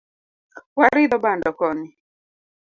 Waridho bando koni